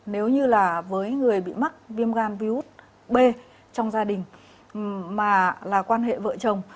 nếu như là với người bị mắc viêm gan virus b trong gia đình mà là quan hệ vợ chồng